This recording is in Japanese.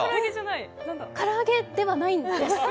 唐揚げではないんです。